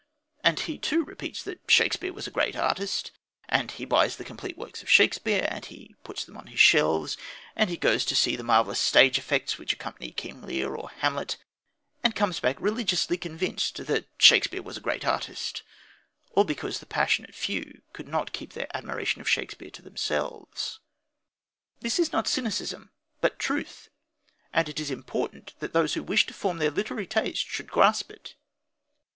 And he too repeats that Shakespeare was a great artist, and he buys the complete works of Shakespeare and puts them on his shelves, and he goes to see the marvellous stage effects which accompany King Lear or Hamlet, and comes back religiously convinced that Shakespeare was a great artist. All because the passionate few could not keep their admiration of Shakespeare to themselves. This is not cynicism; but truth. And it is important that those who wish to form their literary taste should grasp it.